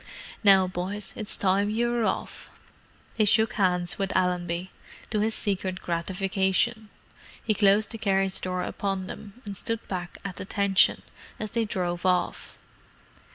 "Now, boys; it's time you were off." They shook hands with Allenby, to his secret gratification. He closed the carriage door upon them, and stood back at attention, as they drove off.